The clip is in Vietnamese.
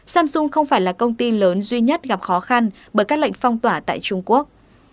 samsung không phải là công ty lớn duy nhất gặp khó khăn bởi các lệnh phong tỏa tại trung quốc